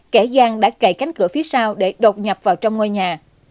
kẻ giang đã cậy cánh cửa phía sau để đột nhập vào trong ngôi nhà